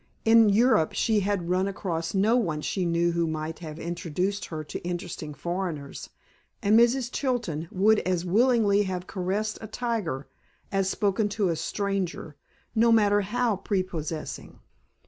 In Europe she had run across no one she knew who might have introduced her to interesting foreigners, and Mrs. Chilton would as willingly have caressed a tiger as spoken to a stranger no matter how prepossessing.